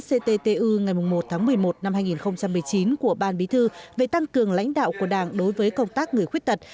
cttu ngày một tháng một mươi một năm hai nghìn một mươi chín của ban bí thư về tăng cường lãnh đạo của đảng đối với công tác người khuyết tật